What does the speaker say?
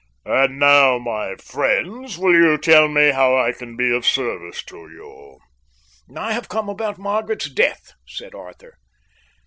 "And now, my friends, will you tell me how I can be of service to you?" "I have come about Margaret's death," said Arthur.